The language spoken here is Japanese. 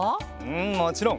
うんもちろん！